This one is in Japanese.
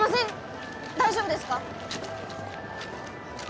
大丈夫ですか？